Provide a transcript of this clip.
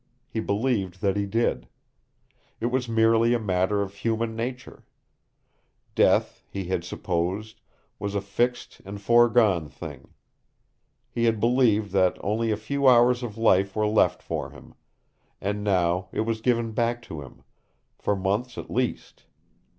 He believed that he did. It was merely a matter of human nature. Death, he had supposed, was a fixed and foregone thing. He had believed that only a few hours of life were left for him. And now it was given back to him, for months at least.